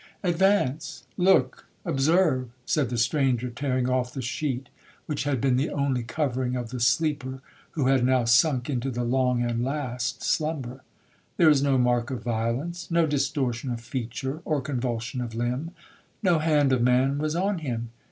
'Advance—look—observe!' said the stranger, tearing off the sheet which had been the only covering of the sleeper who had now sunk into the long and last slumber—'There is no mark of violence, no distortion of feature, or convulsion of limb—no hand of man was on him.